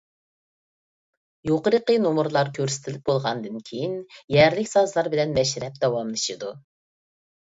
يۇقىرىقى نومۇرلار كۆرسىتىلىپ بولغاندىن كېيىن يەرلىك سازلار بىلەن مەشرەپ داۋاملىشىدۇ.